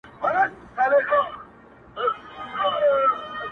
پر خیرات غوټې وهلې ټپوسانو -